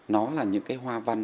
nó là những cái hoa văn